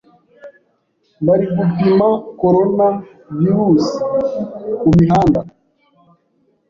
Bari gupima Coronavirus ku mihanda